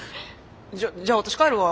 じゃじゃあ私帰るわ。